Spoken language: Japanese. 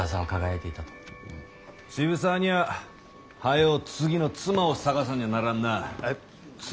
渋沢には早う次の妻を探さんにゃならんな。え？妻？